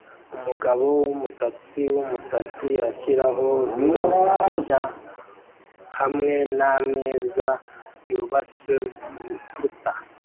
Umugabo wumusatsi wumusatsi ashyiraho biro nshya hamwe nameza yubatswe murukuta